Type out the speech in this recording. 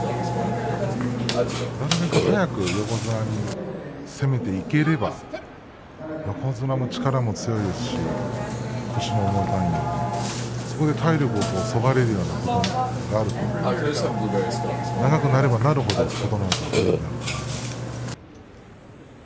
なるべく早く横綱に攻めていければ横綱も力は強いですし腰も重たいので、そこで体力をそがれるようなことになると長くなればなるほど琴ノ若は不利になりますね。